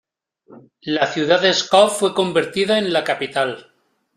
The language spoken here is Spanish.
La ciudad de Pskov fue convertida en la capital.